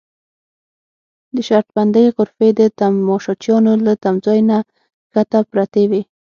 د شرط بندۍ غرفې د تماشچیانو له تمځای نه کښته پرتې وې.